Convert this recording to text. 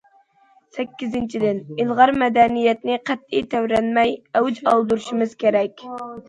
سەككىزىنچىدىن، ئىلغار مەدەنىيەتنى قەتئىي تەۋرەنمەي ئەۋج ئالدۇرۇشىمىز كېرەك.